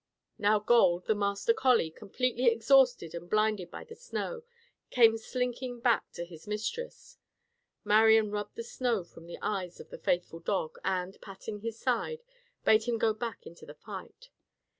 Now Gold, the master collie, completely exhausted and blinded by the snow, came slinking back to his mistress. Marian rubbed the snow from the eyes of the faithful dog and, patting his side, bade him go back into the fight.